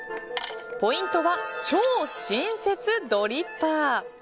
ポイントは超親切ドリッパー。